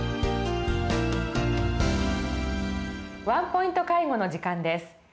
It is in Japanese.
「ワンポイント介護」の時間です。